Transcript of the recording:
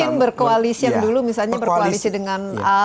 mungkin berkoalisi yang dulu misalnya berkoalisi dengan